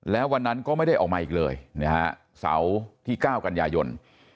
แล้ววันนั้นก็ไม่ได้ออกมาอีกเลยนะฮะเสาร์ที่๙กันยายน